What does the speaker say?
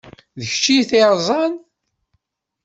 D kečč ay t-yerẓan?